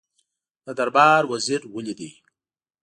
د دربار وزیر ولید.